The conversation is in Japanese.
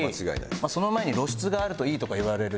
その前に露出があるといいとか言われるじゃないですか。